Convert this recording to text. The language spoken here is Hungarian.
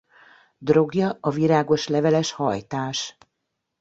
Drogja a virágos-leveles hajtás.